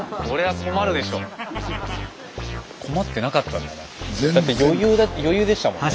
スタジオだって余裕でしたもんね。